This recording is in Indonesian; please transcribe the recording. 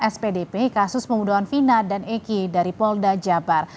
spdp kasus pembunuhan vina dan egy dari polda jabar